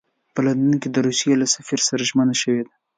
په لندن کې د روسیې له سفیر سره ژمنه شوې ده.